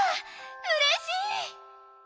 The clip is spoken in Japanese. うれしい。